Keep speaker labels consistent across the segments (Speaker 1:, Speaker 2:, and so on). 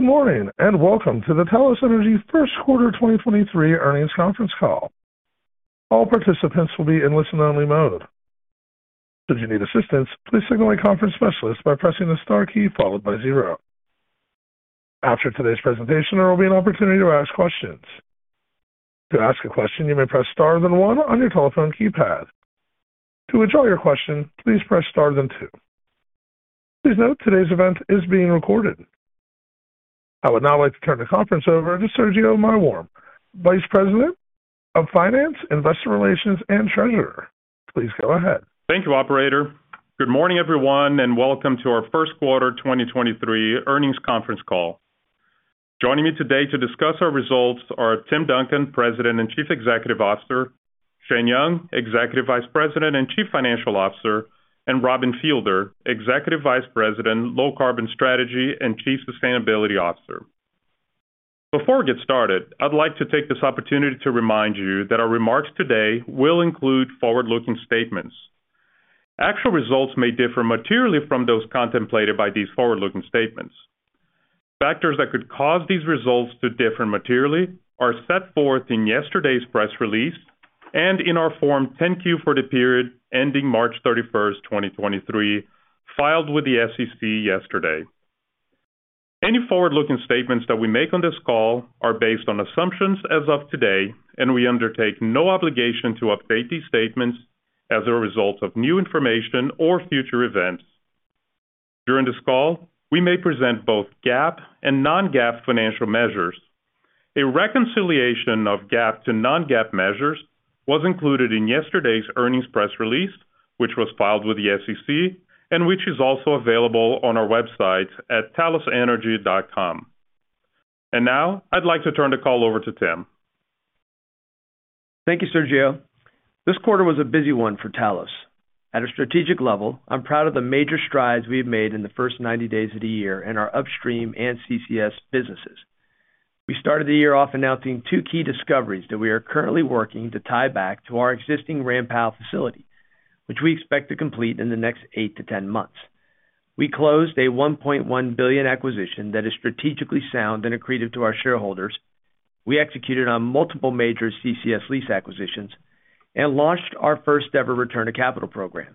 Speaker 1: Good morning. Welcome to the Talos Energy Q1 2023 earnings conference call. All participants will be in listen-only mode. Should you need assistance, please signal a conference specialist by pressing the Star key followed by zero. After today's presentation, there will be an opportunity to ask questions. To ask a question, you may press Star then 1 on your telephone keypad. To withdraw your question, please press Star then two. Please note today's event is being recorded. I would now like to turn the conference over to Sergio Maiworm, Vice President of Finance, Investor Relations, and Treasurer. Please go ahead.
Speaker 2: Thank you, operator. Good morning, everyone, and welcome to our Q1 2023 earnings conference call. Joining me today to discuss our results are Tim Duncan, President and Chief Executive Officer, Shannon Young, Executive Vice President and Chief Financial Officer, and Robin Fielder, Executive Vice President, Low Carbon Strategy and Chief Sustainability Officer. Before we get started, I'd like to take this opportunity to remind you that our remarks today will include forward-looking statements. Actual results may differ materially from those contemplated by these forward-looking statements. Factors that could cause these results to differ materially are set forth in yesterday's press release and in our Form 10-Q for the period ending March 31st, 2023, filed with the SEC yesterday. Any forward-looking statements that we make on this call are based on assumptions as of today, we undertake no obligation to update these statements as a result of new information or future events. During this call, we may present both GAAP and non-GAAP financial measures. A reconciliation of GAAP to non-GAAP measures was included in yesterday's earnings press release, which was filed with the SEC and which is also available on our website at talosenergy.com. Now I'd like to turn the call over to Tim.
Speaker 3: Thank you, Sergio. This quarter was a busy one for Talos. At a strategic level, I'm proud of the major strides we have made in the first 90 days of the year in our upstream and CCS businesses. We started the year off announcing two key discoveries that we are currently working to tie back to our existing Ram Powell facility, which we expect to complete in the next eight to 10 months. We closed a $1.1 billion acquisition that is strategically sound and accretive to our shareholders. We executed on multiple major CCS lease acquisitions and launched our first ever return to capital program.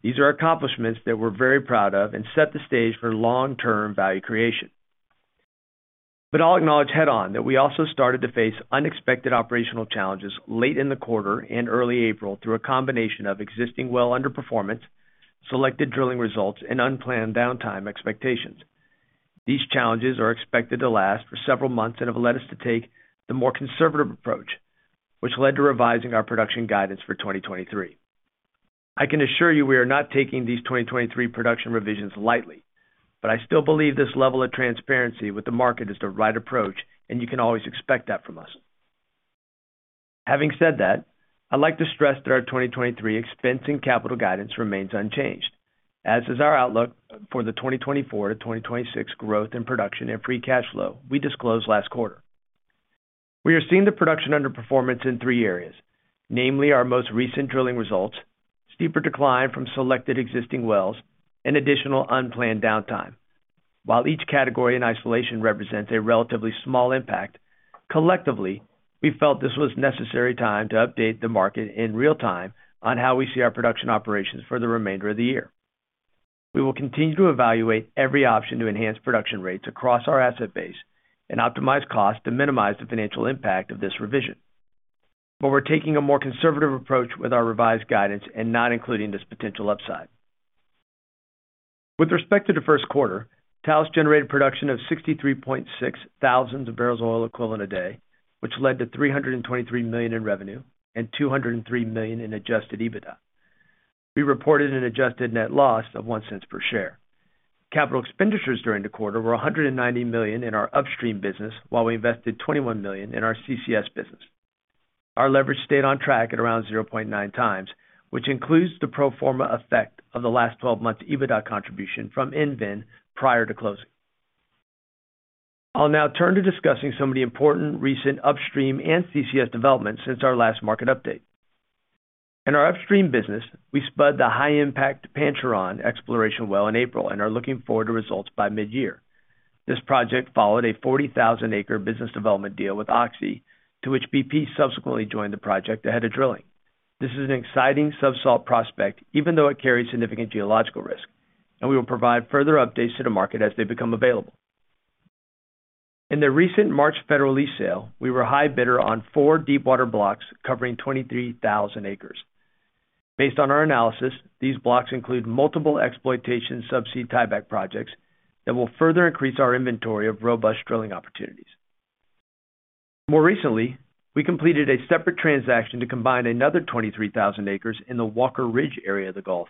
Speaker 3: These are accomplishments that we're very proud of and set the stage for long-term value creation. I'll acknowledge head on that we also started to face unexpected operational challenges late in the quarter and early April through a combination of existing well underperformance, selected drilling results, and unplanned downtime expectations. These challenges are expected to last for several months and have led us to take the more conservative approach, which led to revising our production guidance for 2023. I can assure you we are not taking these 2023 production revisions lightly, but I still believe this level of transparency with the market is the right approach, and you can always expect that from us. Having said that, I'd like to stress that our 2023 expense and capital guidance remains unchanged, as is our outlook for the 2024 to 2026 growth in production and free cash flow we disclosed last quarter. We are seeing the production underperformance in three areas, namely our most recent drilling results, steeper decline from selected existing wells, and additional unplanned downtime. While each category in isolation represents a relatively small impact, collectively, we felt this was necessary time to update the market in real-time on how we see our production operations for the remainder of the year. We will continue to evaluate every option to enhance production rates across our asset base and optimize costs to minimize the financial impact of this revision. We're taking a more conservative approach with our revised guidance and not including this potential upside. With respect to the Q1, Talos generated production of 63.6 thousand barrels of oil equivalent a day, which led to $323 million in revenue and $203 million in adjusted EBITDA. We reported an adjusted net loss of $0.01 per share. Capital expenditures during the quarter were $190 million in our upstream business, while we invested $21 million in our CCS business. Our leverage stayed on track at around 0.9 times, which includes the pro forma effect of the last 12 months EBITDA contribution from EnVen prior to closing. I'll now turn to discussing some of the important recent upstream and CCS developments since our last market update. In our upstream business, we spud the high-impact Pancheron exploration well in April and are looking forward to results by mid-year. This project followed a 40,000 acre business development deal with Oxy, to which BP subsequently joined the project ahead of drilling. This is an exciting subsalt prospect, even though it carries significant geological risk, and we will provide further updates to the market as they become available. In the recent March federal lease sale, we were high bidder on 4 deepwater blocks covering 23,000 acres. Based on our analysis, these blocks include multiple exploitation subsea tieback projects that will further increase our inventory of robust drilling opportunities. More recently, we completed a separate transaction to combine another 23,000 acres in the Walker Ridge area of the Gulf,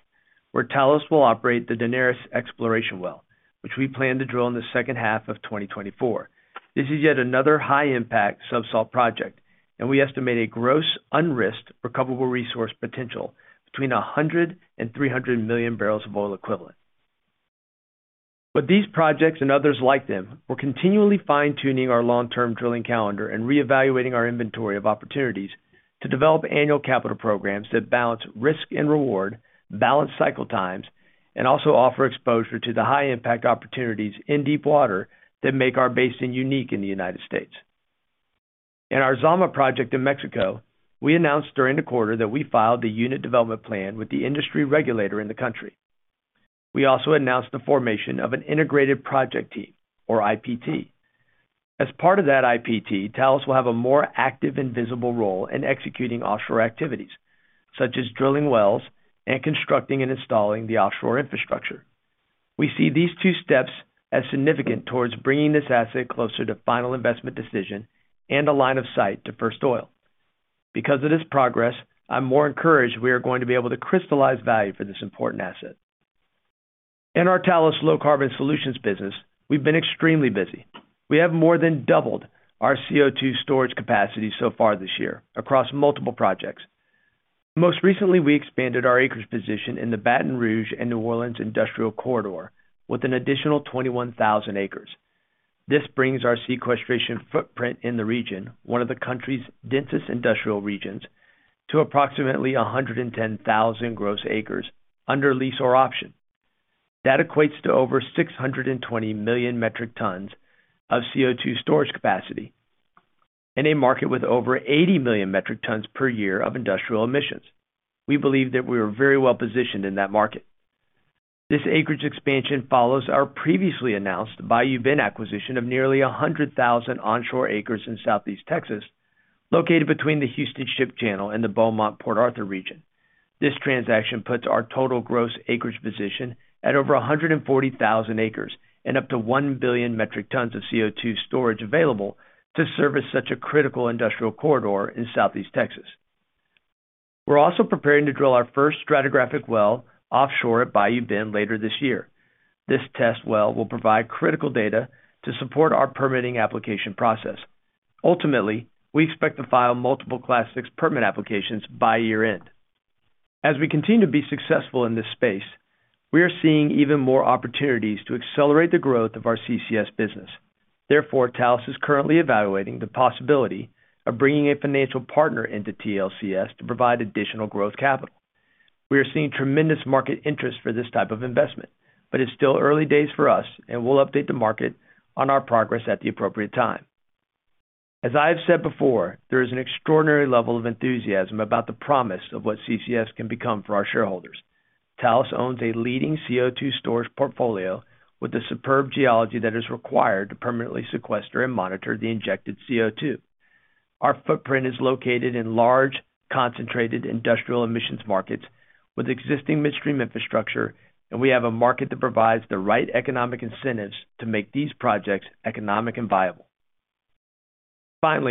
Speaker 3: where Talos will operate the Daenerys exploration well, which we plan to drill in the second half of 2024. This is yet another high-impact subsalt project, and we estimate a gross unrisked recoverable resource potential between 100 million and 300 million barrels of oil equivalent. These projects and others like them, we're continually fine-tuning our long-term drilling calendar and reevaluating our inventory of opportunities. To develop annual capital programs that balance risk and reward, balance cycle times, and also offer exposure to the high impact opportunities in deep water that make our basin unique in the United States. In our Zama project in Mexico, we announced during the quarter that we filed a unit development plan with the industry regulator in the country. We also announced the formation of an integrated project team or IPT. As part of that IPT, Talos will have a more active and visible role in executing offshore activities such as drilling wells and constructing and installing the offshore infrastructure. We see these two steps as significant towards bringing this asset closer to final investment decision and a line of sight to first oil. Because of this progress, I'm more encouraged we are going to be able to crystallize value for this important asset. In our Talos Low Carbon Solutions business, we've been extremely busy. We have more than doubled our CO2 storage capacity so far this year across multiple projects. Most recently, we expanded our acreage position in the Baton Rouge and New Orleans Industrial Corridor with an additional 21,000 acres. This brings our sequestration footprint in the region, one of the country's densest industrial regions, to approximately 110,000 gross acres under lease or option. That equates to over 620 million metric tons of CO2 storage capacity in a market with over 80 million metric tons per year of industrial emissions. We believe that we are very well positioned in that market. This acreage expansion follows our previously announced Bayou Bend acquisition of nearly 100,000 onshore acres in Southeast Texas, located between the Houston Ship Channel and the Beaumont-Port Arthur region. This transaction puts our total gross acreage position at over 140,000 acres and up to 1 billion metric tons of CO2 storage available to service such a critical industrial corridor in Southeast Texas. We're also preparing to drill our first stratigraphic well offshore at Bayou Bend later this year. This test well will provide critical data to support our permitting application process. Ultimately, we expect to file multiple Class VI permit applications by year-end. As we continue to be successful in this space, we are seeing even more opportunities to accelerate the growth of our CCS business. Talos is currently evaluating the possibility of bringing a financial partner into TLCS to provide additional growth capital. We are seeing tremendous market interest for this type of investment, but it's still early days for us, and we'll update the market on our progress at the appropriate time. As I have said before, there is an extraordinary level of enthusiasm about the promise of what CCS can become for our shareholders. Talos owns a leading CO2 storage portfolio with a superb geology that is required to permanently sequester and monitor the injected CO2. Our footprint is located in large, concentrated industrial emissions markets with existing midstream infrastructure, and we have a market that provides the right economic incentives to make these projects economic and viable. On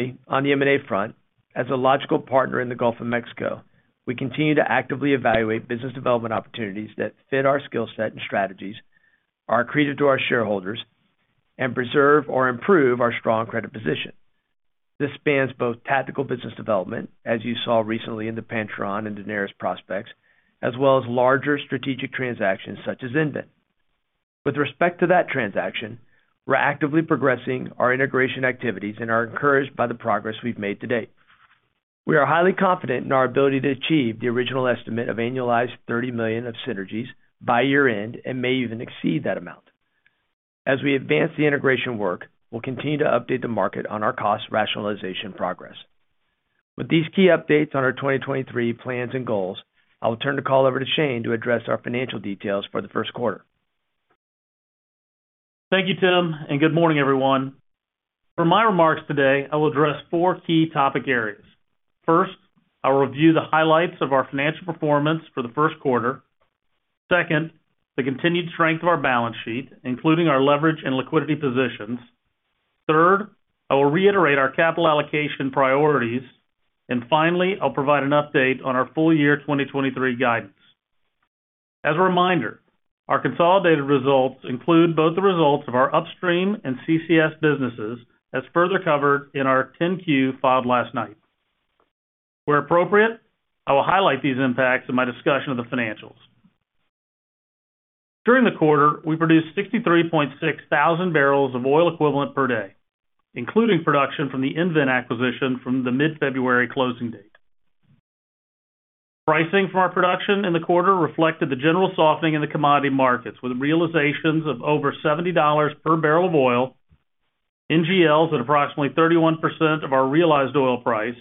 Speaker 3: the M&A front, as a logical partner in the Gulf of Mexico, we continue to actively evaluate business development opportunities that fit our skill set and strategies, are accretive to our shareholders, and preserve or improve our strong credit position. This spans both tactical business development, as you saw recently in the Pancheron and Daenerys prospects, as well as larger strategic transactions such as EnVen. With respect to that transaction, we're actively progressing our integration activities and are encouraged by the progress we've made to date. We are highly confident in our ability to achieve the original estimate of annualized $30 million of synergies by year-end and may even exceed that amount. As we advance the integration work, we'll continue to update the market on our cost rationalization progress. With these key updates on our 2023 plans and goals, I will turn the call over to Shane to address our financial details for the Q1.
Speaker 4: Thank you, Tim. Good morning, everyone. For my remarks today, I will address four key topic areas. First, I'll review the highlights of our financial performance for the Q1. Second, the continued strength of our balance sheet, including our leverage and liquidity positions. Third, I will reiterate our capital allocation priorities. Finally, I'll provide an update on our full year 2023 guidance. As a reminder, our consolidated results include both the results of our upstream and CCS businesses, as further covered in our 10-Q filed last night. Where appropriate, I will highlight these impacts in my discussion of the financials. During the quarter, we produced 63.6 thousand barrels of oil equivalent per day, including production from the EnVen acquisition from the mid-February closing date. Pricing for our production in the quarter reflected the general softening in the commodity markets, with realizations of over $70 per barrel of oil, NGLs at approximately 31% of our realized oil price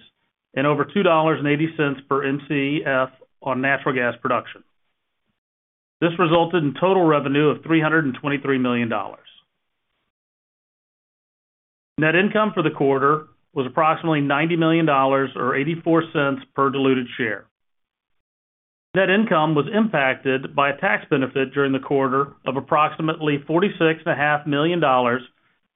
Speaker 4: and over $2.80 per Mcf on natural gas production. This resulted in total revenue of $323 million. Net income for the quarter was approximately $90 million or $0.84 per diluted share. Net income was impacted by a tax benefit during the quarter of approximately 46 and a $500,000,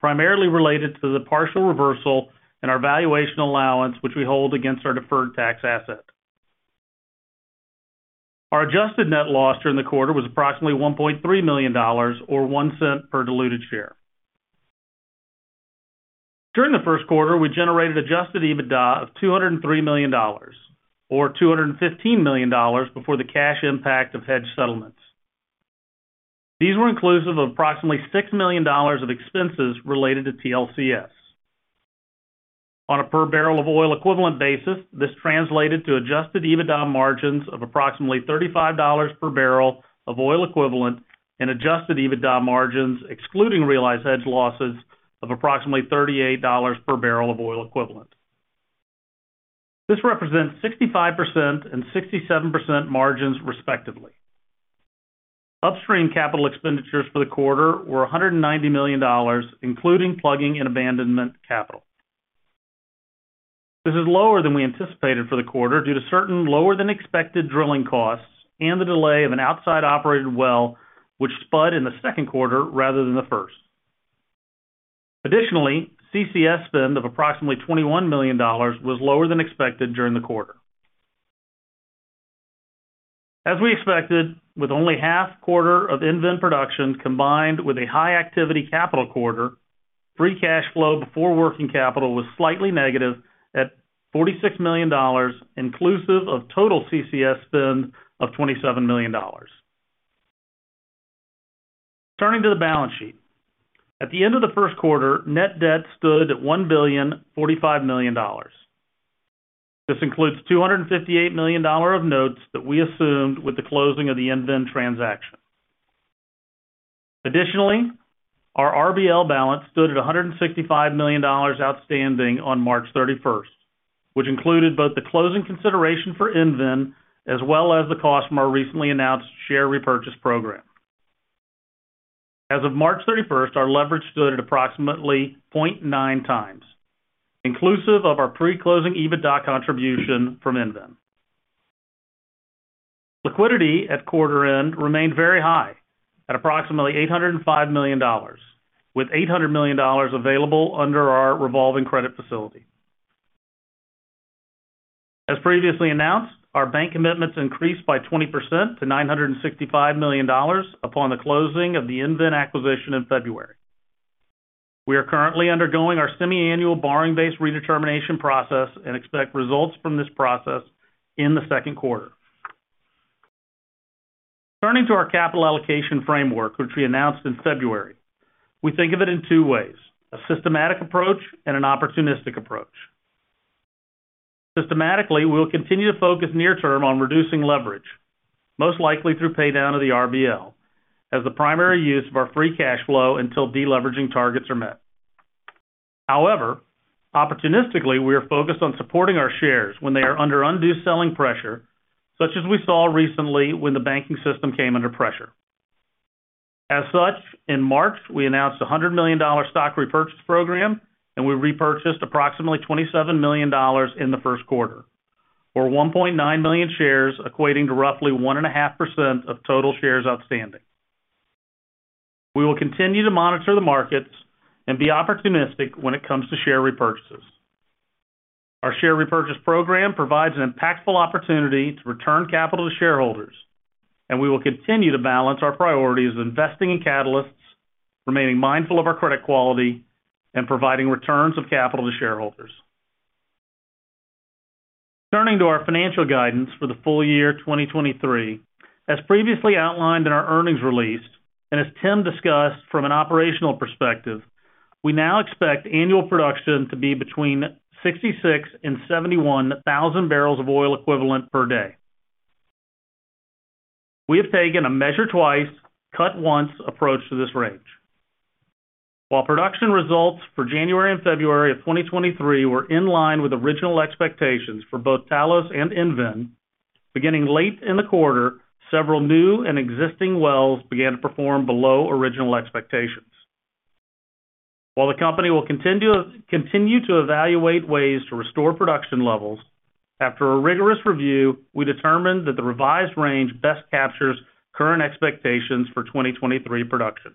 Speaker 4: primarily related to the partial reversal in our valuation allowance, which we hold against our deferred tax asset. Our adjusted net loss during the quarter was approximately $1.3 million or $0.01 per diluted share. During the Q1, we generated adjusted EBITDA of $203 million or $215 million before the cash impact of hedge settlements. These were inclusive of approximately $6 million of expenses related to TLCS. On a per barrel of oil equivalent basis, this translated to adjusted EBITDA margins of approximately $35 per barrel of oil equivalent and adjusted EBITDA margins excluding realized hedge losses of approximately $38 per barrel of oil equivalent. This represents 65% and 67% margins, respectively. Upstream capital expenditures for the quarter were $190 million, including plugging and abandonment capital. This is lower than we anticipated for the quarter due to certain lower than expected drilling costs and the delay of an outside-operated well which spud in the Q2 rather than the first. Additionally, CCS spend of approximately $21 million was lower than expected during the quarter. As we expected, with only half quarter of EnVen production, combined with a high activity capital quarter, free cash flow before working capital was slightly negative at $46 million, inclusive of total CCS spend of $27 million. Turning to the balance sheet. At the end of the Q1, net debt stood at $1.045 billion. This includes $258 million of notes that we assumed with the closing of the EnVen transaction. Additionally, our RBL balance stood at $165 million outstanding on March 31st, which included both the closing consideration for EnVen as well as the cost from our recently announced share repurchase program. As of March 31st, our leverage stood at approximately 0.9 times, inclusive of our pre-closing EBITDA contribution from EnVen. Liquidity at quarter end remained very high at approximately $805 million, with $800 million available under our revolving credit facility. As previously announced, our bank commitments increased by 20% to $965 million upon the closing of the EnVen acquisition in February. We are currently undergoing our semi-annual borrowing base redetermination process and expect results from this process in the Q2. Turning to our capital allocation framework, which we announced in February. We think of it in two ways: a systematic approach and an opportunistic approach. Systematically, we'll continue to focus near term on reducing leverage, most likely through pay down of the RBL as the primary use of our free cash flow until deleveraging targets are met. However, opportunistically, we are focused on supporting our shares when they are under undue selling pressure, such as we saw recently when the banking system came under pressure. As such, in March, we announced a $100 million stock repurchase program, and we repurchased approximately $27 million in the Q1, or 1.9 million shares, equating to roughly 1.5% of total shares outstanding. We will continue to monitor the markets and be opportunistic when it comes to share repurchases. Our share repurchase program provides an impactful opportunity to return capital to shareholders, and we will continue to balance our priorities of investing in catalysts, remaining mindful of our credit quality and providing returns of capital to shareholders. Turning to our financial guidance for the full year 2023. As previously outlined in our earnings release, as Tim discussed from an operational perspective, we now expect annual production to be between 66,000 and 71,000 barrels of oil equivalent per day. We have taken a measure twice, cut once approach to this range. Production results for January and February of 2023 were in line with original expectations for both Talos and EnVen, beginning late in the quarter, several new and existing wells began to perform below original expectations. The company will continue to evaluate ways to restore production levels, after a rigorous review, we determined that the revised range best captures current expectations for 2023 production.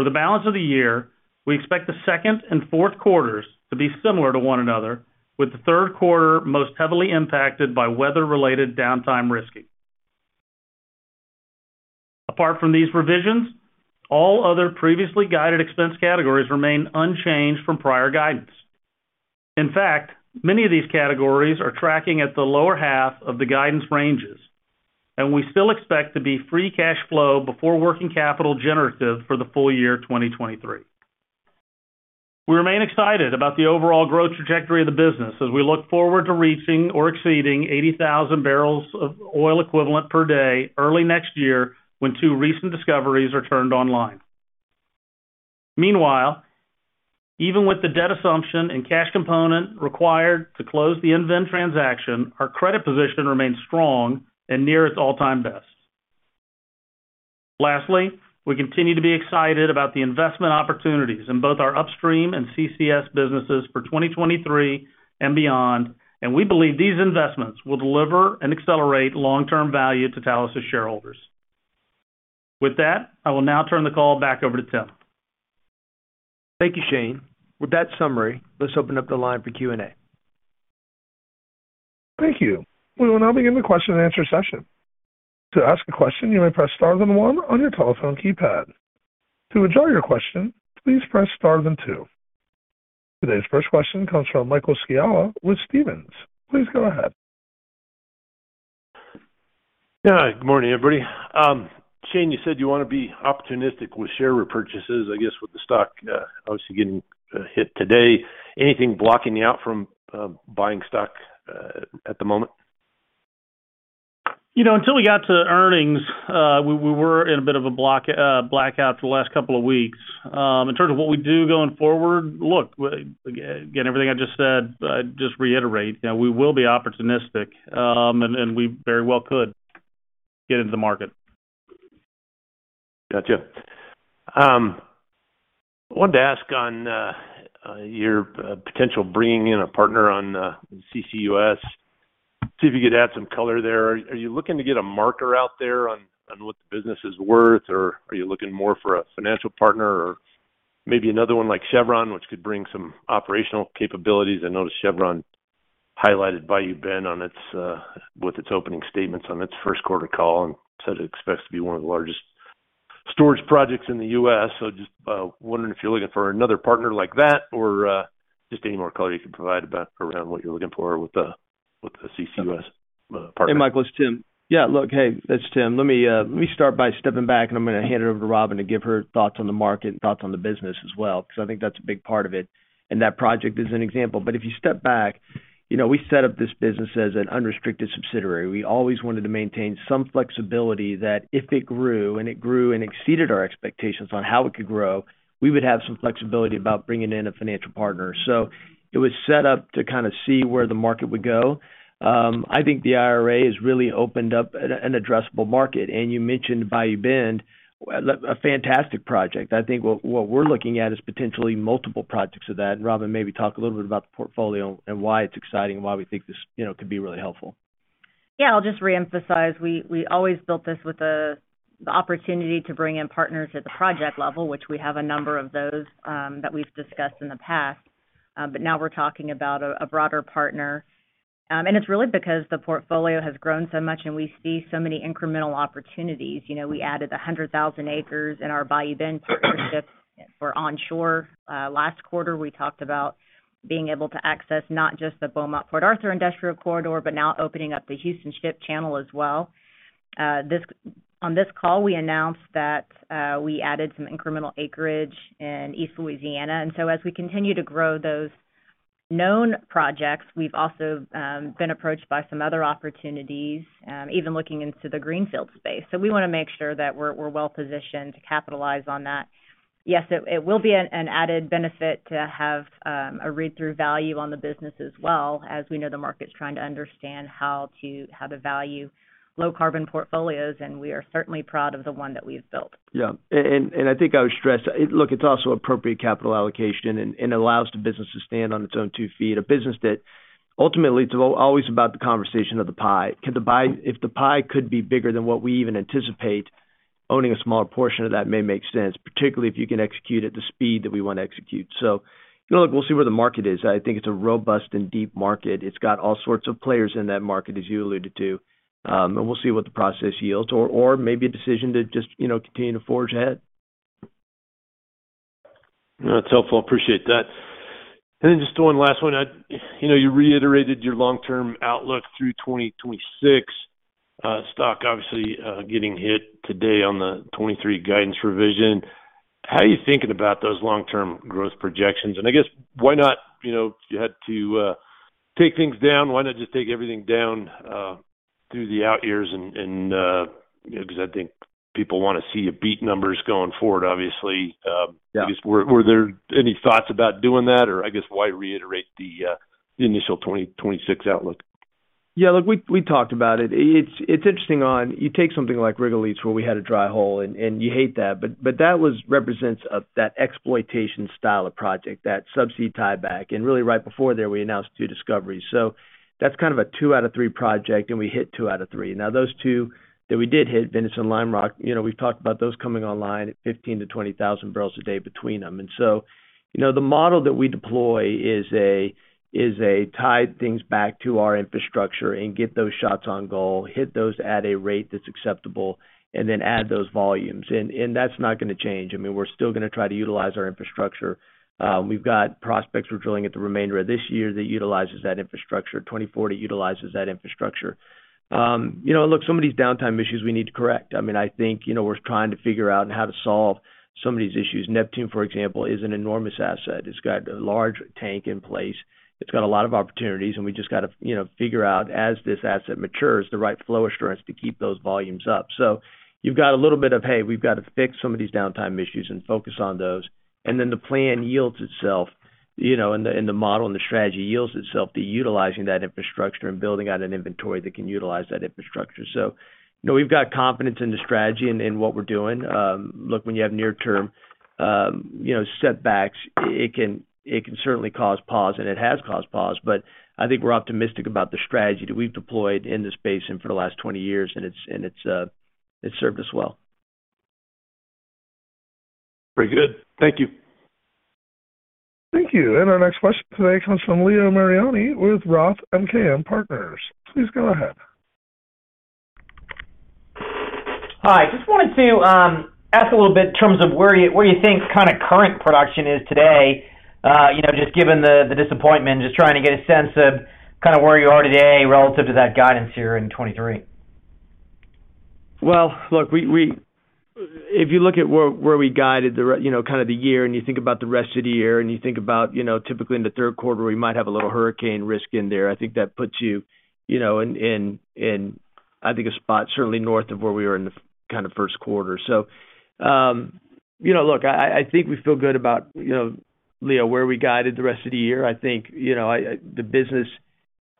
Speaker 4: For the balance of the year, we expect the second and Q4 to be similar to one another, with the Q3 most heavily impacted by weather-related downtime risky. Apart from these revisions, all other previously guided expense categories remain unchanged from prior guidance. In fact, many of these categories are tracking at the lower half of the guidance ranges, and we still expect to be free cash flow before working capital generative for the full year 2023. We remain excited about the overall growth trajectory of the business as we look forward to reaching or exceeding 80,000 barrels of oil equivalent per day early next year when two recent discoveries are turned online. Meanwhile, even with the debt assumption and cash component required to close the EnVen transaction, our credit position remains strong and near its all-time best. Lastly, we continue to be excited about the investment opportunities in both our upstream and CCS businesses for 2023 and beyond, and we believe these investments will deliver and accelerate long-term value to Talos' shareholders. With that, I will now turn the call back over to Tim.
Speaker 3: Thank you, Shannon. With that summary, let's open up the line for Q&A.
Speaker 1: Thank you. We will now begin the question and answer session. To ask a question, you may press star then one on your telephone keypad. To withdraw your question, please press star then two. Today's first question comes from Michael Scialla with Stephens. Please go ahead.
Speaker 5: Good morning, everybody. Shane, you said you wanna be opportunistic with share repurchases, I guess with the stock obviously getting hit today. Anything blocking you out from buying stock at the moment?
Speaker 3: You know, until we got to earnings, we were in a bit of a block, blackout for the last couple of weeks. In terms of what we do going forward, look, again, everything I just said, I'd just reiterate, you know, we will be opportunistic, and we very well could get into the market.
Speaker 5: Gotcha. I wanted to ask on your potential bringing in a partner on CCUS, see if you could add some color there. Are you looking to get a marker out there on what the business is worth, or are you looking more for a financial partner or maybe another one like Chevron, which could bring some operational capabilities? I noticed Chevron highlighted Bayou Bend on its with its opening statements on its Q1 call and says it expects to be one of the largest storage projects in the U.S. Just wondering if you're looking for another partner like that or just any more color you can provide around what you're looking for with the CCUS partner.
Speaker 3: Hey, Michael, it's Tim. Yeah, look, hey, it's Tim. Let me start by stepping back and I'm gonna hand it over to Robin to give her thoughts on the market and thoughts on the business as well, 'cause I think that's a big part of it. That project is an example. If you step back, you know, we set up this business as an unrestricted subsidiary. We always wanted to maintain some flexibility that if it grew and exceeded our expectations on how it could grow, we would have some flexibility about bringing in a financial partner. It was set up to kinda see where the market would go. I think the IRA has really opened up an addressable market. You mentioned Bayou Bend, a fantastic project. I think what we're looking at is potentially multiple projects of that. Robin, maybe talk a little bit about the portfolio and why it's exciting and why we think this, you know, could be really helpful.
Speaker 6: Yeah. I'll just reemphasize. We, we always built this with the opportunity to bring in partners at the project level, which we have a number of those that we've discussed in the past. Now we're talking about a broader partner. It's really because the portfolio has grown so much and we see so many incremental opportunities. You know, we added 100,000 acres in our Bayou Bend partnership for onshore. Last quarter, we talked about being able to access not just the Beaumont-Port Arthur Industrial Corridor, but now opening up the Houston Ship Channel as well. On this call, we announced that we added some incremental acreage in East Louisiana. As we continue to grow those known projects, we've also been approached by some other opportunities, even looking into the greenfield space. We wanna make sure that we're well-positioned to capitalize on that. Yes, it will be an added benefit to have a read-through value on the business as well, as we know the market's trying to understand how to value low carbon portfolios, and we are certainly proud of the one that we've built.
Speaker 3: Yeah. I think I would stress. Look, it's also appropriate capital allocation and allows the business to stand on its own two feet. A business that ultimately it's always about the conversation of the pie. Can the pie. If the pie could be bigger than what we even anticipate, owning a smaller portion of that may make sense, particularly if you can execute at the speed that we wanna execute. You know, look, we'll see where the market is. I think it's a robust and deep market. It's got all sorts of players in that market, as you alluded to. We'll see what the process yields or maybe a decision to just, you know, continue to forge ahead.
Speaker 5: That's helpful. Appreciate that. Then just one last one. You know, you reiterated your long-term outlook through 2026. Stock obviously, getting hit today on the 2023 guidance revision. How are you thinking about those long-term growth projections? I guess why not, you know, you had to take things down. Why not just take everything down through the out years and, you know, 'cause I think people wanna see a beat numbers going forward, obviously.
Speaker 3: Yeah.
Speaker 5: I guess were there any thoughts about doing that? I guess why reiterate the initial 2026 outlook?
Speaker 3: Look, we talked about it. It's interesting on you take something like Rigolets where we had a dry hole and you hate that, but that was represents that exploitation style of project, that subsea tieback. Really right before there we announced two discoveries. That's kind of a two out of three project, and we hit two out of three. Those two that we did hit, Venice and Lime Rock, you know, we've talked about those coming online at 15 to 20 thousand barrels a day between them. You know, the model that we deploy is a tie things back to our infrastructure and get those shots on goal, hit those at a rate that's acceptable, and then add those volumes. That's not gonna change. I mean, we're still gonna try to utilize our infrastructure. We've got prospects we're drilling at the remainder of this year that utilizes that infrastructure. 24 that utilizes that infrastructure. You know, look, some of these downtime issues we need to correct. I mean, I think, you know, we're trying to figure out how to solve some of these issues. Neptune, for example, is an enormous asset. It's got a large tank in place. It's got a lot of opportunities, and we just gotta, you know, figure out as this asset matures, the right flow assurance to keep those volumes up. You've got a little bit of, hey, we've got to fix some of these downtime issues and focus on those. The plan yields itself, you know, and the model and the strategy yields itself to utilizing that infrastructure and building out an inventory that can utilize that infrastructure. you know, we've got confidence in the strategy and what we're doing. look, when you have near-term, you know, setbacks, it can certainly cause pause, and it has caused pause. I think we're optimistic about the strategy that we've deployed in this basin for the last 20 years and it's served us well.
Speaker 5: Very good. Thank you.
Speaker 1: Thank you. Our next question today comes from Leo Mariani with ROTH MKM Partners. Please go ahead.
Speaker 7: Hi. Just wanted to ask a little bit in terms of where you think kind of current production is today, you know, just given the disappointment. Just trying to get a sense of kind of where you are today relative to that guidance here in 23?
Speaker 3: Well, look, we if you look at where we guided the year, you know, kind of the year, and you think about the rest of the year, and you think about, you know, typically in the Q3, we might have a little hurricane risk in there. I think that puts you know, in, I think a spot certainly north of where we were in the kind of Q1. Look, I think we feel good about, you know, Leo, where we guided the rest of the year. I think, you know, I, the business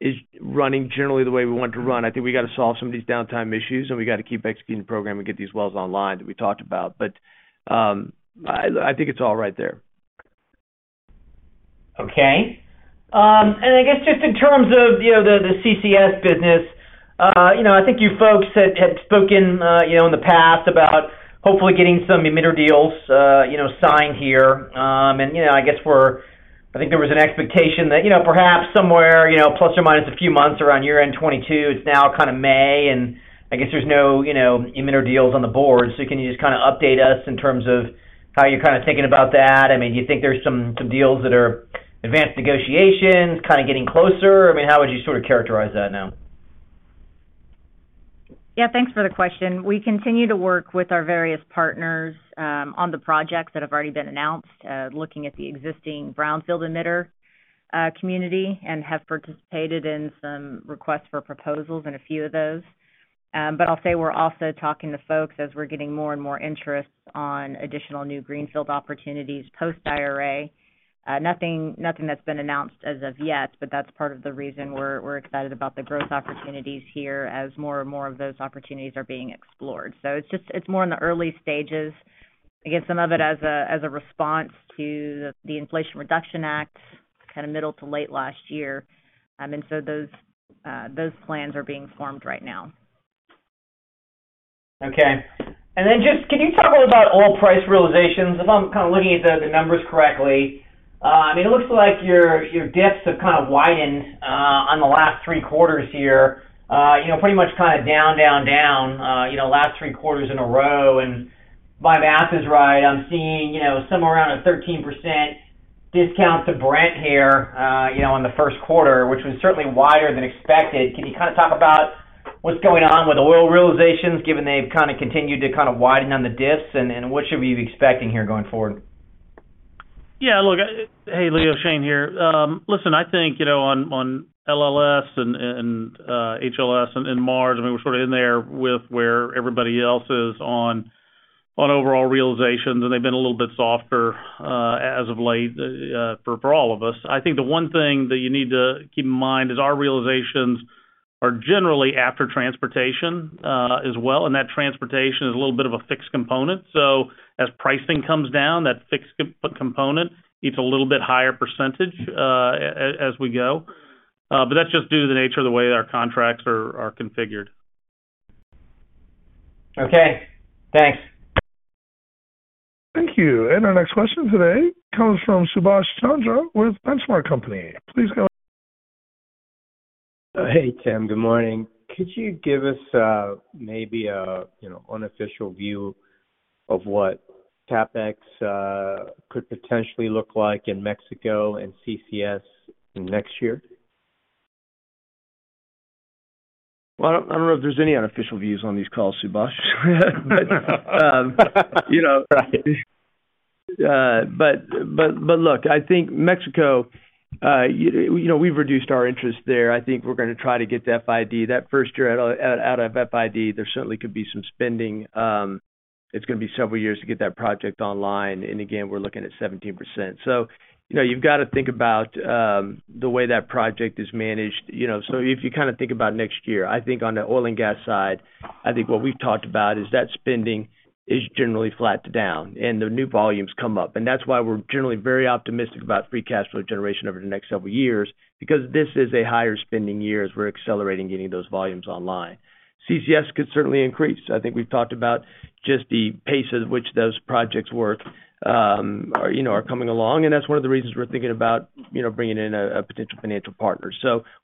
Speaker 3: is running generally the way we want to run. I think we got to solve some of these downtime issues, and we got to keep executing the program and get these wells online that we talked about. I think it's all right there.
Speaker 7: Okay. I guess just in terms of, you know, the CCS business, you know, I think you folks had spoken, you know, in the past about hopefully getting some emitter deals, you know, signed here. I guess I think there was an expectation that, you know, perhaps somewhere, you know, plus or minus a few months around year-end 2022, it's now kind of May, and I guess there's no, you know, emitter deals on the board. Can you just kind of update us in terms of how you're kind of thinking about that? I mean, do you think there's some deals that are advanced negotiations kind of getting closer? I mean, how would you sort of characterize that now?
Speaker 6: Thanks for the question. We continue to work with our various partners on the projects that have already been announced, looking at the existing brownfield emitter community and have participated in some requests for proposals in a few of those. I'll say we're also talking to folks as we're getting more and more interest on additional new greenfield opportunities post IRA. Nothing that's been announced as of yet, that's part of the reason we're excited about the growth opportunities here as more and more of those opportunities are being explored. It's more in the early stages, I guess, some of it as a response to the Inflation Reduction Act, kind of middle to late last year. Those plans are being formed right now.
Speaker 7: Okay. Just, can you talk a little about oil price realizations? If I'm kind of looking at the numbers correctly, I mean, it looks like your dips have kind of widened, on the last three quarters here. you know, pretty much kind of down, you know, last three quarters in a row. If my math is right, I'm seeing, you know, somewhere around a 13% discount to Brent here, you know, on the Q1, which was certainly wider than expected. Can you kind of talk about what's going on with oil realizations given they've kind of continued to kind of widen on the dips, and what should we be expecting here going forward?
Speaker 4: Yeah, look. Hey, Leo, Shane here. listen, I think, you know, on LLS and HLS and Mars, I mean, we're sort of in there with where everybody else is on overall realizations, and they've been a little bit softer as of late for all of us. I think the one thing that you need to keep in mind is our realizations are generally after transportation as well, and that transportation is a little bit of a fixed component. As pricing comes down, that fixed component eats a little bit higher percentage as we go. that's just due to the nature of the way our contracts are configured.
Speaker 7: Okay, thanks.
Speaker 1: Thank you. Our next question today comes from Subash Chandra with The Benchmark Company. Please go ahead.
Speaker 8: Hey, Tim. Good morning. Could you give us, maybe a, you know, unofficial view of what CapEx could potentially look like in Mexico and CCS next year?
Speaker 3: Well, I don't, I don't know if there's any unofficial views on these calls, Subash. you know, but look, I think Mexico, you know, we've reduced our interest there. I think we're gonna try to get to FID. That first year out of FID, there certainly could be some spending. It's gonna be several years to get that project online. Again, we're looking at 17%. you know, you've got to think about the way that project is managed. If you kind of think about next year, I think on the oil and gas side, I think what we've talked about is that spending is generally flat to down and the new volumes come up. That's why we're generally very optimistic about free cash flow generation over the next several years because this is a higher spending year as we're accelerating getting those volumes online. CCS could certainly increase. I think we've talked about just the pace at which those projects work, are, you know, are coming along, and that's one of the reasons we're thinking about, you know, bringing in a potential financial partner.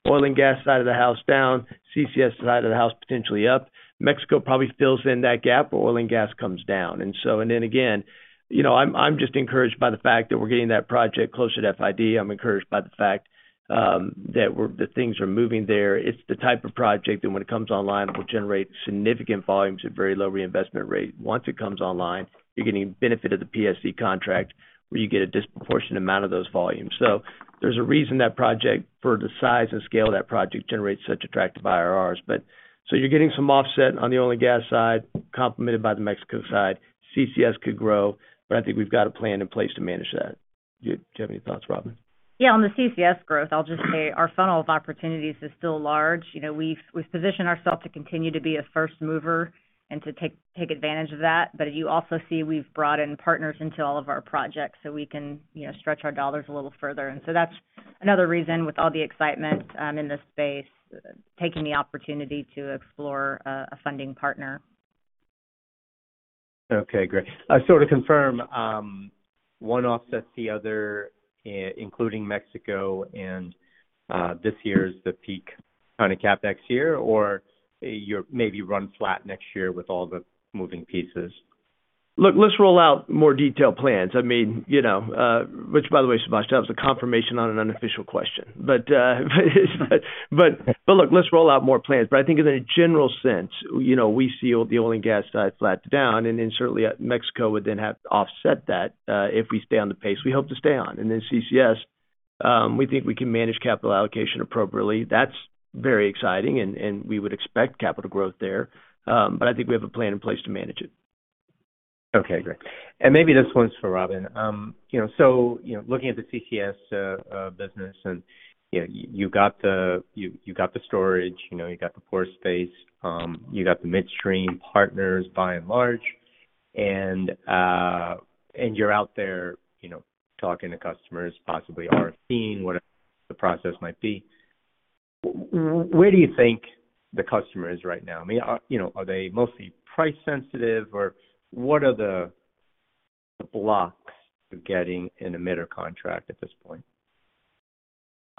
Speaker 3: Oil and gas side of the house down, CCS side of the house potentially up. Mexico probably fills in that gap where oil and gas comes down. Then again, you know, I'm just encouraged by the fact that we're getting that project closer to FID. I'm encouraged by the fact that things are moving there. It's the type of project that when it comes online, it will generate significant volumes at very low reinvestment rate. Once it comes online, you're getting benefit of the PSC contract, where you get a disproportionate amount of those volumes. There's a reason that project, for the size and scale of that project, generates such attractive IRRs. You're getting some offset on the oil and gas side, complemented by the Mexico side. CCS could grow, but I think we've got a plan in place to manage that. Do you have any thoughts, Robin?
Speaker 6: Yeah. On the CCS growth, I'll just say our funnel of opportunities is still large. You know, we've positioned ourselves to continue to be a first mover and to take advantage of that. You also see we've brought in partners into all of our projects so we can, you know, stretch our dollars a little further. That's another reason with all the excitement in this space, taking the opportunity to explore a funding partner.
Speaker 8: Okay, great. To confirm, one offsets the other, including Mexico, this year is the peak kind of CapEx year or you maybe run flat next year with all the moving pieces?
Speaker 3: Look, let's roll out more detailed plans. I mean, you know, which by the way, Subhash, that was a confirmation on an unofficial question. Look, let's roll out more plans. I think in a general sense, you know, we see the oil and gas side flat to down, and then certainly Mexico would then have to offset that, if we stay on the pace we hope to stay on. CCS, we think we can manage capital allocation appropriately. That's very exciting and we would expect capital growth there, but I think we have a plan in place to manage it.
Speaker 8: Okay, great. Maybe this one's for Robin. You know, looking at the CCS business and, you know, you got the storage, you know, you got the pore space, you got the midstream partners by and large, and you're out there, you know, talking to customers, possibly RFPing, whatever the process might be. Where do you think the customer is right now? I mean, are, you know, are they mostly price sensitive or what are the blocks to getting an emitter contract at this point?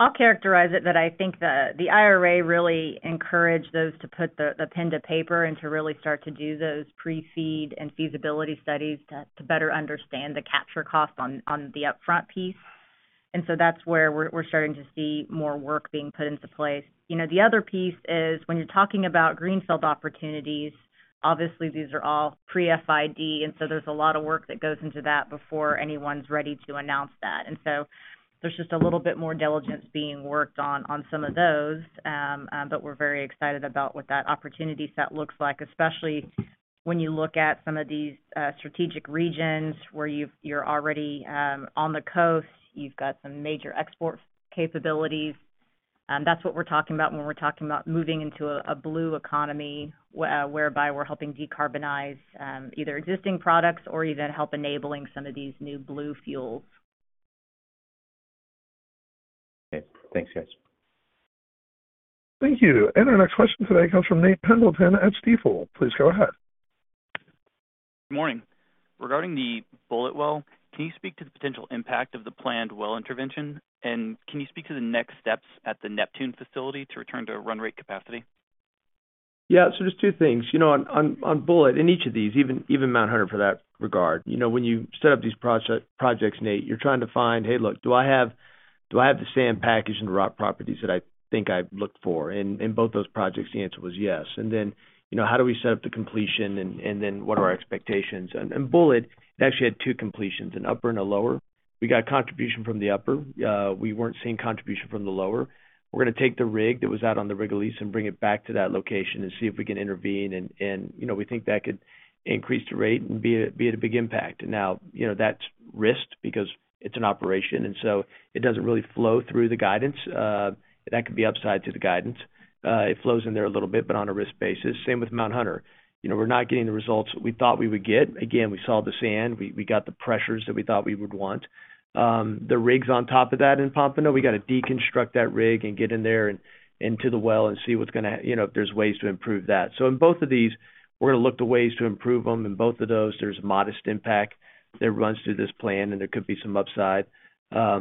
Speaker 6: I'll characterize it that I think the IRA really encouraged those to put the pen to paper and to really start to do those pre-FEED and feasibility studies to better understand the capture cost on the upfront piece. That's where we're starting to see more work being put into place. You know, the other piece is when you're talking about greenfield opportunities, obviously these are all pre-FID, and so there's a lot of work that goes into that before anyone's ready to announce that. There's just a little bit more diligence being worked on some of those. We're very excited about what that opportunity set looks like, especially when you look at some of these, strategic regions where you're already on the coast, you've got some major export capabilities. That's what we're talking about when we're talking about moving into a blue economy whereby we're helping decarbonize either existing products or even help enabling some of these new blue fuels.
Speaker 8: Okay. Thanks, guys.
Speaker 1: Thank you. Our next question today comes from Nate Pendleton at Stifel. Please go ahead.
Speaker 9: Good morning. Regarding the Bulleit Well, can you speak to the potential impact of the planned well intervention? Can you speak to the next steps at the Neptune facility to return to run rate capacity?
Speaker 3: Just two things. You know, on Bulleit in each of these, even Mount Hunter for that regard, you know, when you set up these projects, Nate, you're trying to find, hey, look, do I have the sand package and rock properties that I think I've looked for? In both those projects, the answer was yes. Then, you know, how do we set up the completion and then what are our expectations? Bulleit, it actually had two completions, an upper and a lower. We got contribution from the upper. We weren't seeing contribution from the lower. We're gonna take the rig that was out on the Rig Lease and bring it back to that location and see if we can intervene. You know, we think that could increase the rate and be a, be a big impact. Now, you know, that's risked because it's an operation, and so it doesn't really flow through the guidance. That could be upside to the guidance. It flows in there a little bit, but on a risk basis. Same with Mount Hunter. You know, we're not getting the results we thought we would get. Again, we saw the sand. We got the pressures that we thought we would want. The rigs on top of that in Pompano, we got to deconstruct that rig and get in there and into the well and see what's gonna, you know, if there's ways to improve that. In both of these, we're gonna look to ways to improve them. In both of those, there's modest impact that runs through this plan, and there could be some upside. What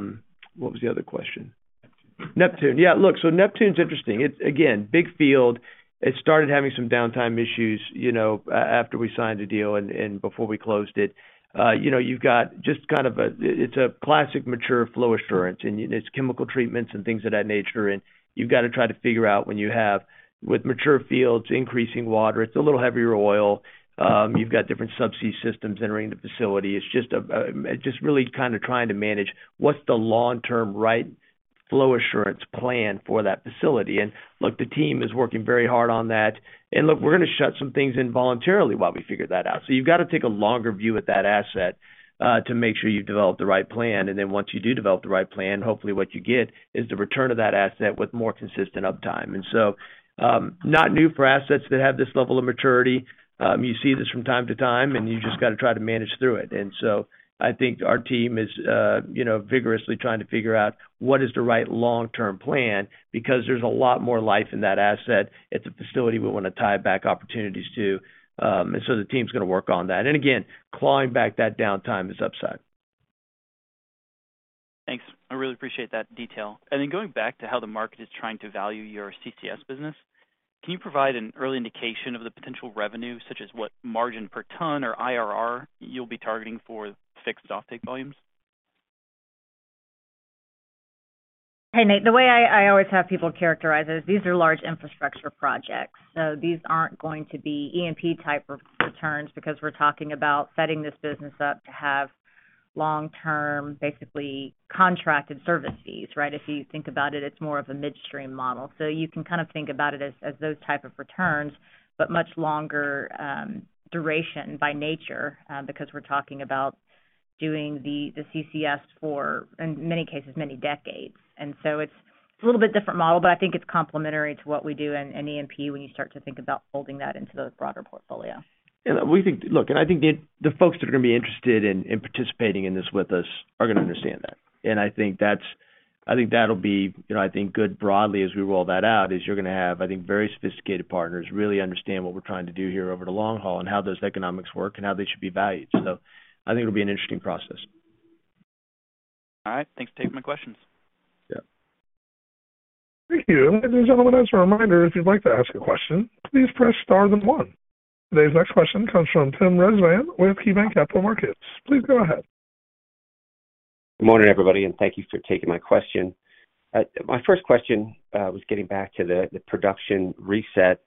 Speaker 3: was the other question?
Speaker 9: Neptune.
Speaker 3: Neptune. Yeah. Look, Neptune's interesting. It's again, big field. It started having some downtime issues, you know, after we signed the deal and before we closed it. You know, you've got just kind of a classic mature flow assurance, and it's chemical treatments and things of that nature. You've got to try to figure out when you have with mature fields, increasing water, it's a little heavier oil. You've got different subsea systems entering the facility. It's just really kind of trying to manage what's the long-term right flow assurance plan for that facility. Look, the team is working very hard on that. Look, we're gonna shut some things in voluntarily while we figure that out. You've got to take a longer view at that asset to make sure you've developed the right plan. Once you do develop the right plan, hopefully what you get is the return of that asset with more consistent uptime. Not new for assets that have this level of maturity. You see this from time to time, and you just got to try to manage through it. I think our team is, you know, vigorously trying to figure out what is the right long-term plan because there's a lot more life in that asset. It's a facility we wanna tie back opportunities to. The team's gonna work on that. Again, clawing back that downtime is upside.
Speaker 9: Thanks. I really appreciate that detail. Going back to how the market is trying to value your CCS business, can you provide an early indication of the potential revenue, such as what margin per ton or IRR you'll be targeting for fixed offtake volumes?
Speaker 6: Hey, Nate. The way I always have people characterize it is these are large infrastructure projects. These aren't going to be E&P type of returns because we're talking about setting this business up to have long-term, basically contracted service fees, right? If you think about it's more of a midstream model. You can kind of think about it as those type of returns, but much longer duration by nature, because we're talking about doing the CCS for, in many cases, many decades. It's a little bit different model, but I think it's complementary to what we do in E&P when you start to think about holding that into the broader portfolio.
Speaker 3: Yeah. Look, I think the folks that are gonna be interested in participating in this with us are gonna understand that. I think that's I think that'll be, you know, I think good broadly as we roll that out, is you're gonna have, I think, very sophisticated partners really understand what we're trying to do here over the long haul and how those economics work and how they should be valued. I think it'll be an interesting process.
Speaker 9: All right. Thanks for taking my questions.
Speaker 3: Yeah.
Speaker 1: Thank you. Ladies and gentlemen, as a reminder, if you'd like to ask a question, please press star then one. Today's next question comes from Tim Rezvan with KeyBanc Capital Markets. Please go ahead.
Speaker 10: Good morning, everybody, and thank you for taking my question. My first question was getting back to the production reset.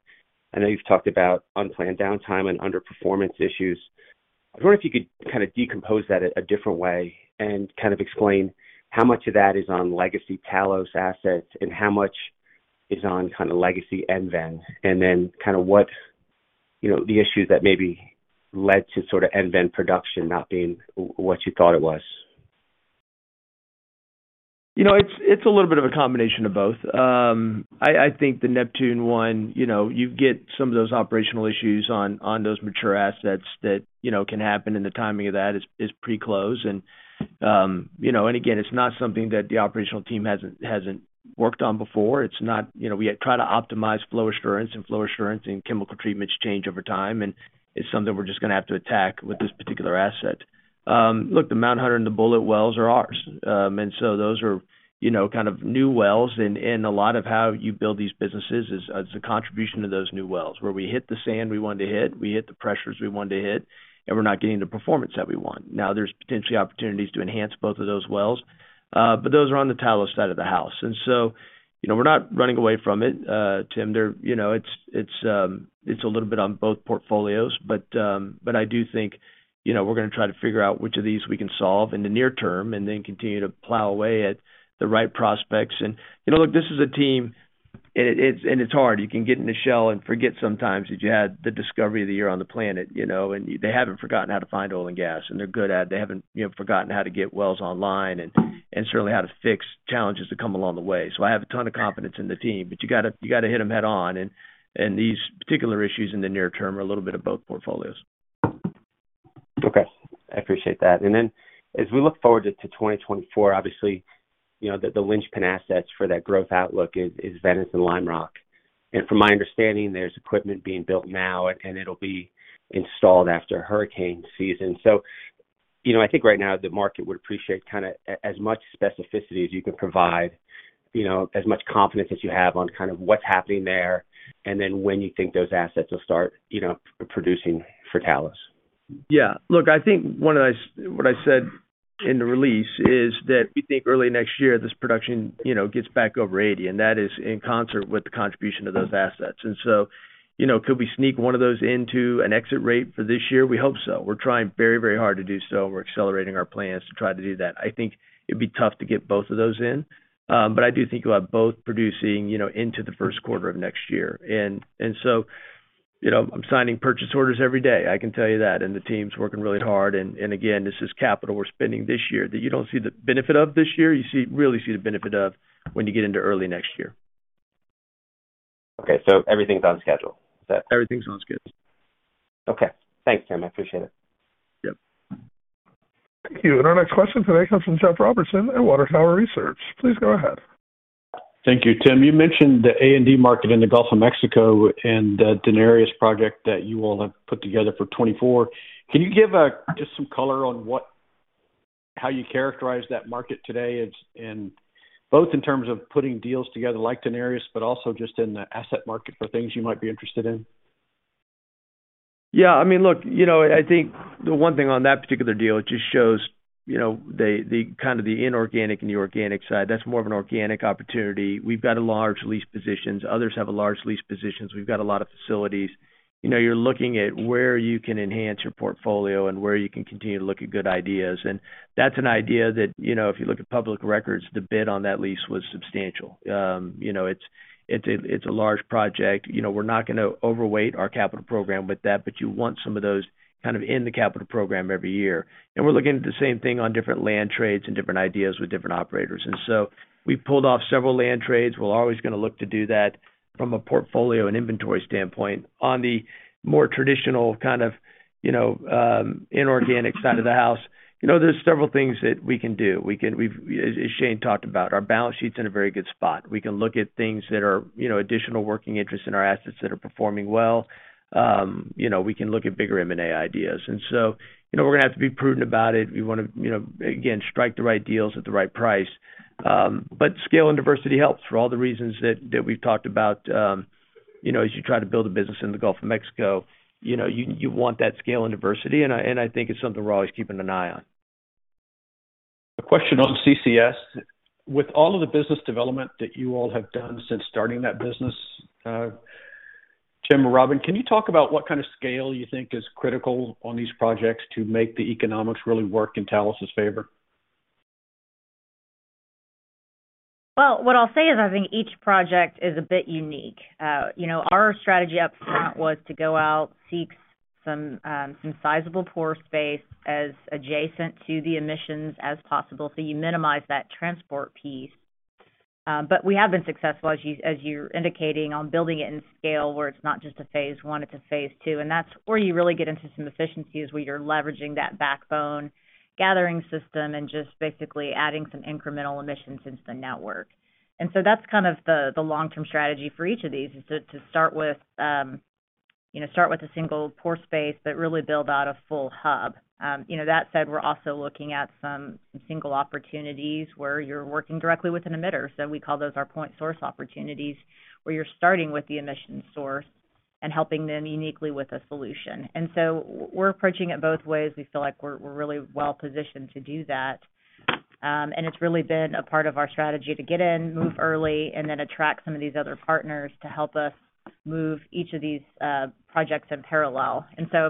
Speaker 10: I know you've talked about unplanned downtime and underperformance issues. I wonder if you could kinda decompose that a different way and kind of explain how much of that is on legacy Talos assets and how much is on kinda legacy EnVen. Then kinda what, you know, the issues that maybe led to sorta EnVen production not being what you thought it was.
Speaker 3: You know, it's a little bit of a combination of both. I think the Neptune one, you know, you get some of those operational issues on those mature assets that, you know, can happen, and the timing of that is pretty close. You know, again, it's not something that the operational team hasn't worked on before. It's not. You know, we try to optimize flow assurance and chemical treatments change over time, and it's something we're just gonna have to attack with this particular asset. Look, the Mount Hunter and the Bulleit wells are ours. Those are, you know, kind of new wells. A lot of how you build these businesses is a contribution to those new wells where we hit the sand we wanted to hit, we hit the pressures we wanted to hit, and we're not getting the performance that we want. Now, there's potentially opportunities to enhance both of those wells, but those are on the Talos side of the house. You know, we're not running away from it, Tim. You know, it's a little bit on both portfolios. I do think, you know, we're gonna try to figure out which of these we can solve in the near term and then continue to plow away at the right prospects. You know, look, this is a team. It's hard. You can get in a shell and forget sometimes that you had the discovery of the year on the planet, you know. They haven't forgotten how to find oil and gas, and they're good at it. They haven't, you know, forgotten how to get wells online and certainly how to fix challenges that come along the way. I have a ton of confidence in the team, but you gotta, you gotta hit them head on. These particular issues in the near term are a little bit of both portfolios.
Speaker 10: Okay. I appreciate that. As we look forward to 2024, obviously, you know, the linchpin assets for that growth outlook is Venice and Lime Rock. From my understanding, there's equipment being built now, and it'll be installed after hurricane season. You know, I think right now the market would appreciate as much specificity as you can provide, you know, as much confidence as you have on kind of what's happening there and then when you think those assets will start, you know, producing for Talos.
Speaker 3: Yeah. Look, I think what I said in the release is that we think early next year, this production, you know, gets back over 80, that is in concert with the contribution of those assets. You know, could we sneak one of those into an exit rate for this year? We hope so. We're trying very, very hard to do so. We're accelerating our plans to try to do that. I think it'd be tough to get both of those in, but I do think we'll have both producing, you know, into the Q1 of next year. You know, I'm signing purchase orders every day, I can tell you that, and the team's working really hard. Again, this is capital we're spending this year that you don't see the benefit of this year. Really see the benefit of when you get into early next year.
Speaker 10: Okay. everything's on schedule. Is that?
Speaker 3: Everything's on schedule.
Speaker 10: Okay. Thanks, Tim. I appreciate it.
Speaker 3: Yeah.
Speaker 1: Thank you. Our next question today comes from Jeff Robertson at Water Tower Research. Please go ahead.
Speaker 11: Thank you, Tim. You mentioned the A&D market in the Gulf of Mexico and the Daenerys project that you all have put together for 2024. Can you give just some color on how you characterize that market today both in terms of putting deals together like Daenerys, but also just in the asset market for things you might be interested in?
Speaker 3: Yeah, I mean, look, you know, I think the one thing on that particular deal, it just shows, you know, the kind of the inorganic and the organic side. That's more of an organic opportunity. We've got a large lease positions. Others have a large lease positions. We've got a lot of facilities. You know, you're looking at where you can enhance your portfolio and where you can continue to look at good ideas. That's an idea that, you know, if you look at public records, the bid on that lease was substantial. You know, it's a large project. You know, we're not gonna overweight our capital program with that, but you want some of those kind of in the capital program every year. We're looking at the same thing on different land trades and different ideas with different operators. We've pulled off several land trades. We're always gonna look to do that from a portfolio and inventory standpoint. On the more traditional kind of, you know, inorganic side of the house, you know, there's several things that we can do. We've as Shane talked about, our balance sheet's in a very good spot. We can look at things that are, you know, additional working interest in our assets that are performing well. You know, we can look at bigger M&A ideas. You know, we're gonna have to be prudent about it. We wanna, you know, again, strike the right deals at the right price. Scale and diversity helps for all the reasons that we've talked about, you know, as you try to build a business in the Gulf of Mexico. You know, you want that scale and diversity, and I think it's something we're always keeping an eye on.
Speaker 11: A question on CCS. With all of the business development that you all have done since starting that business, Tim or Robin, can you talk about what kind of scale you think is critical on these projects to make the economics really work in Talos's favor?
Speaker 6: Well, what I'll say is I think each project is a bit unique. You know, our strategy up front was to go out, seek some sizable pore space as adjacent to the emissions as possible, so you minimize that transport piece. We have been successful as you, as you're indicating on building it in scale where it's not just a phase one, it's a phase two. That's where you really get into some efficiencies where you're leveraging that backbone gathering system and just basically adding some incremental emissions into the network. That's kind of the long-term strategy for each of these is to start with, you know, start with a single pore space, but really build out a full hub. You know, that said, we're also looking at some single opportunities where you're working directly with an emitter. We call those our point source opportunities, where you're starting with the emission source and helping them uniquely with a solution. We're approaching it both ways. We feel like we're really well positioned to do that. It's really been a part of our strategy to get in, move early, and then attract some of these other partners to help us move each of these projects in parallel.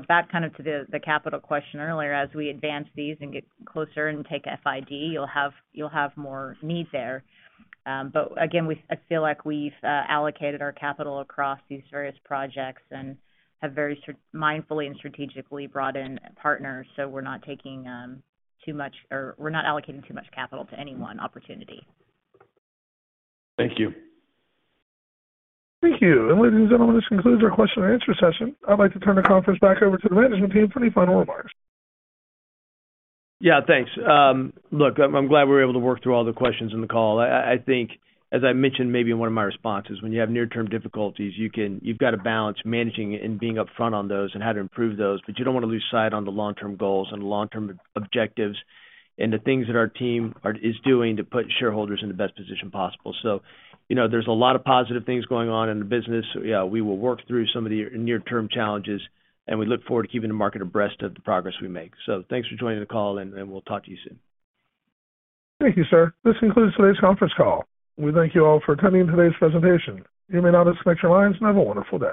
Speaker 6: Back kind of to the capital question earlier, as we advance these and get closer and take FID, you'll have more need there. Again, I feel like we've allocated our capital across these various projects and have very mindfully and strategically brought in partners, so we're not taking too much, or we're not allocating too much capital to any one opportunity.
Speaker 11: Thank you.
Speaker 1: Thank you. Ladies and gentlemen, this concludes our question and answer session. I'd like to turn the conference back over to the management team for any final remarks.
Speaker 3: Yeah, thanks. Look, I'm glad we were able to work through all the questions in the call. I think, as I mentioned maybe in one of my responses, when you have near-term difficulties, you've got to balance managing and being upfront on those and how to improve those, but you don't want to lose sight on the long-term goals and long-term objectives and the things that our team are, is doing to put shareholders in the best position possible. You know, there's a lot of positive things going on in the business. Yeah, we will work through some of the near-term challenges, and we look forward to keeping the market abreast of the progress we make. Thanks for joining the call, and we'll talk to you soon.
Speaker 1: Thank you, sir. This concludes today's conference call. We thank you all for attending today's presentation. You may now disconnect your lines and have a wonderful day.